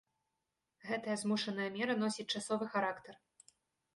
Гэтая змушаная мера носіць часовы характар.